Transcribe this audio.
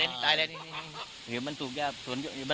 เอาละให้ดูมากแบบนี้แหละ